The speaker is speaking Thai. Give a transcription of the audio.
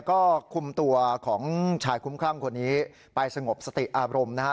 แล้วก็กุมตัวของชายคุ้มข้ามเพื่อนคนนี้ไปสงบสติอาบรมนะฮะ